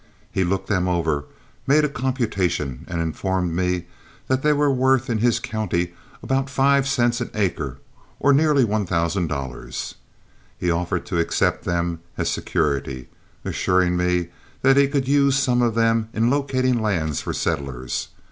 He looked them over, made a computation, and informed me that they were worth in his county about five cents an acre, or nearly one thousand dollars. He also offered to accept them as security, assuring me that he could use some of them in locating lands for settlers.